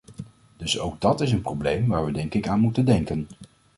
Dus ook dat is een probleem waar we denk ik aan moeten denken.